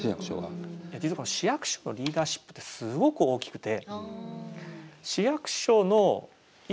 実は市役所のリーダーシップってすごく大きくて。